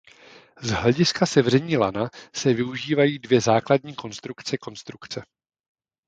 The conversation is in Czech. Z hlediska sevření lana se využívají dvě základní konstrukce konstrukce.